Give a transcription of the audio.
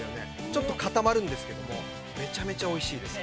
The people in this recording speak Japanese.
ちょっと固まるんですけれども、めちゃめちゃおいしいです。